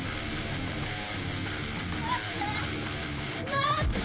待って！